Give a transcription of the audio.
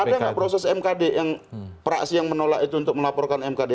ada nggak proses mkd yang praksi yang menolak itu untuk melaporkan mkd